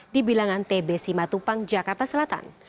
di bilangan tb simatupang jakarta selatan